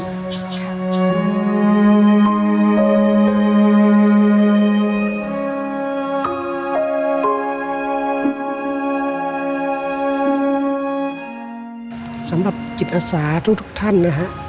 สำหรับจิตอาสาทุกท่านนะฮะ